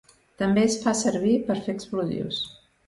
També es fa servir per fer explosius.